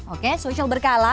oke social berkala besar